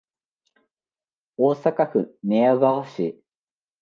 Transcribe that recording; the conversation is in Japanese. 大阪府寝屋川市